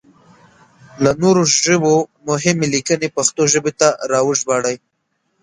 له نورو ژبو مهمې ليکنې پښتو ژبې ته راوژباړئ!